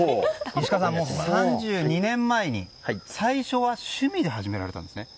３２年前に最初は趣味で始められたんですね。